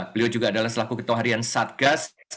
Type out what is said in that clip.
beliau juga adalah selaku ketua harian satgas